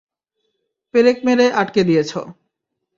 পেরেক মেরে আটকে দিয়েছ!